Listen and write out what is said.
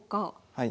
はい。